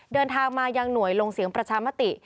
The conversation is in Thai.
เดินทางมายังหน่วยลงเสียงประชามติ